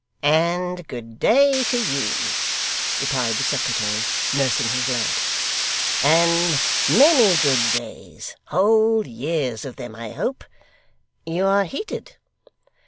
'And good day to you,' replied the secretary, nursing his leg. 'And many good days whole years of them, I hope. You are heated.